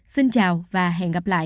xin chào và hẹn gặp lại